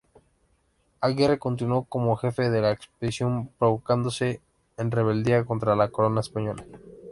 Aguirre continuó como jefe de la expedición, proclamándose en rebeldía contra la corona española.